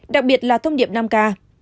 đặc biệt là thông điệp năm k